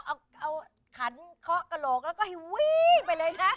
เอาขันเคาะกระโหลกแล้วก็ให้วิ่งไปเลยค่ะ